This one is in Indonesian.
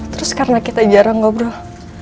terus karena kita jarang ngobrol